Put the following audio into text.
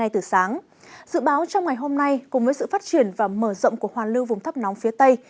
dự báo trong ngày hôm nay cùng với sự phát triển và mở rộng của hoàn lưu vùng thấp nóng phía tây